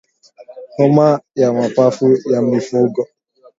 Homa ya mapafu ya mifugo